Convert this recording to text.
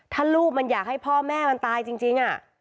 ถ้าลูกมันอยากให้พ่อแม่มันตายจริง